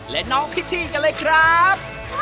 และน้องพิธีกันเลยครับ